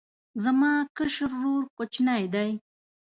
زما کشر ورور کوچنی دی